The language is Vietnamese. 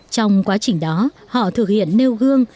trong quá trình đó họ thực hiện nêu gương